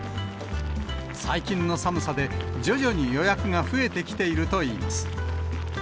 最近の寒さで、徐々に予約が増えてきているといいます。